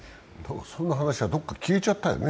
そんな話はどこかに消えちゃったよね。